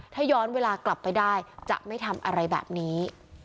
ถ้าย้อนเวลากลับไปได้จะไม่ทำอะไรแบบนี้